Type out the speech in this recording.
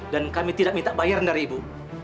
dan kami tidak minta bayaran dari ibu